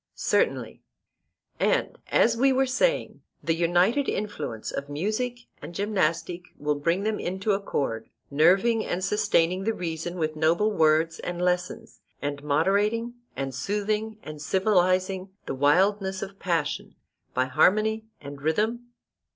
Certainly. And, as we were saying, the united influence of music and gymnastic will bring them into accord, nerving and sustaining the reason with noble words and lessons, and moderating and soothing and civilizing the wildness of passion by harmony and rhythm?